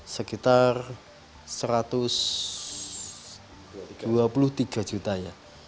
sekitar satu ratus dua puluh tiga juta ya